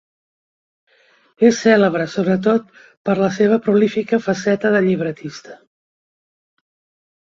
És cèlebre sobretot per la seva prolífica faceta de llibretista.